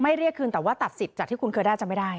เรียกคืนแต่ว่าตัดสิทธิ์จากที่คุณเคยได้จำไม่ได้